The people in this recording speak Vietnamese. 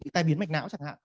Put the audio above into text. tại biến mạch não chẳng hạn